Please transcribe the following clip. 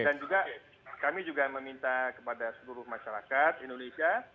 dan juga kami juga meminta kepada seluruh masyarakat indonesia